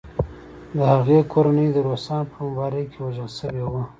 د هغې کورنۍ د روسانو په بمبارۍ کې وژل شوې وه